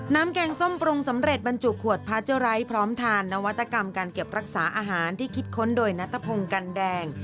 แกงส้มปรุงสำเร็จบรรจุขวดพาเจอร์ไร้พร้อมทานนวัตกรรมการเก็บรักษาอาหารที่คิดค้นโดยนัทพงศ์กันแดง